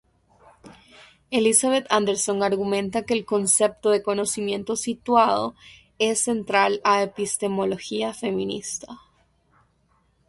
Elizabeth Anderson argumenta que el concepto de conocimiento situado es central a epistemología feminista.